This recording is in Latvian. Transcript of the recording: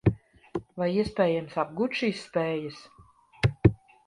Vai iespējams apgūt šīs spējas?